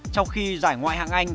trong khi giải ngoại hạng anh